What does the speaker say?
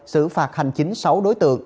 sử phạt hành chính sáu đối tượng